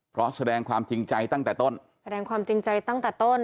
เพราะแสดงความจริงใจตั้งแต่ต้นแสดงความจริงใจตั้งแต่ต้น